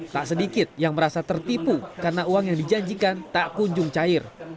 tak sedikit yang merasa tertipu karena uang yang dijanjikan tak kunjung cair